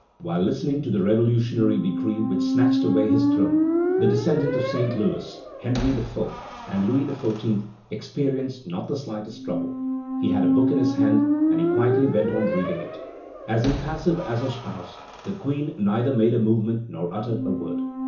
While listening to the revolutionary decree which snatched away his throne, the descendant of Saint Louis, Henry IV., and Louis XIV. experienced not the slightest trouble. He had a book in his hand, and he quietly went on reading it. As impassive as her spouse, the Queen neither made a movement nor uttered a word.